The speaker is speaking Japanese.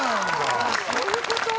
そういうこと